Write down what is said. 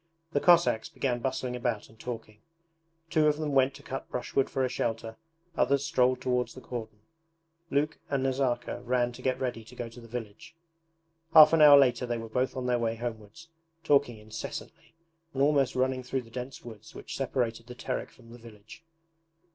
The Cossacks began bustling about and talking. Two of them went to cut brushwood for a shelter, others strolled towards the cordon. Luke and Nazarka ran to get ready to go to the village. Half an hour later they were both on their way homewards, talking incessantly and almost running through the dense woods which separated the Terek from the village.